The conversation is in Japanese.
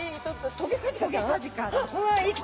トゲカジカです。